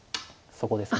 そこです。